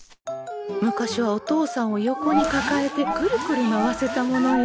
昔はお父さんを横に抱えてくるくる回せたものよ。